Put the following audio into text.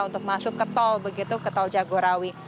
untuk masuk ke tol begitu ke tol jagorawi